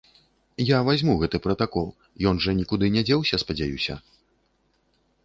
Я вазьму гэты пратакол, ён жа нікуды не дзеўся, спадзяюся.